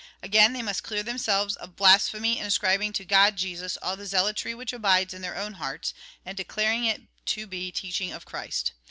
Again, they must clear themselves of blas phemy in ascribing to God Jesus all the zealotry which abides in their own hearts, and declaring it to be teaching of Christ.